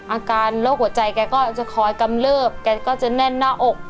อาการโรคหัวใจแกก็จะคอยกำเลิบแกก็จะแน่นหน้าอก